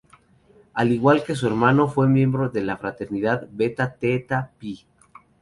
Al igual que su hermano, fue miembro de la fraternidad Beta Theta Pi.